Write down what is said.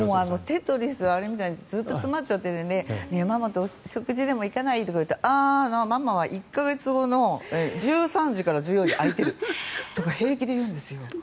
「テトリス」のあれみたいにずっと詰まっちゃってるのでママと食事でも行かない？とかっていうとママは１か月後の１３時から１４時が空いてるとか平気で言うんですよ。